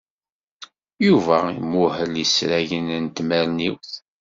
Yuba imuhel isragen n tmerniwt.